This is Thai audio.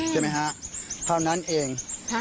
ใช่ไหมฮะเท่านั้นเอง